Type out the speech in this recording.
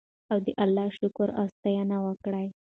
او د الله شکر او ستاینه یې وکړه.